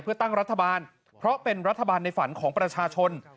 เพื่อตั้งรัฐบาลเพราะเป็นรัฐบาลในฝันของประชาชน